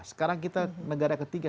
sekarang kita negara ketiga